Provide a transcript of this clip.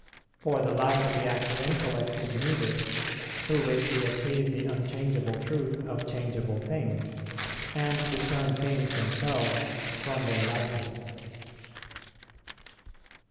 For the light of the active intellect is needed, through which we achieve the unchangeable truth of changeable things, and discern things themselves from their likeness.